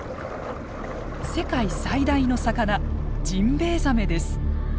世界最大の魚ジンベエザメです。